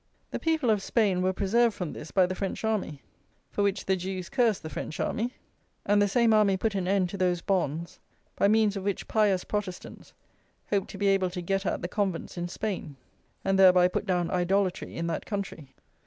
The people of Spain were preserved from this by the French army, for which the Jews cursed the French army; and the same army put an end to those "bonds," by means of which pious Protestants hoped to be able to get at the convents in Spain, and thereby put down "idolatry" in that country.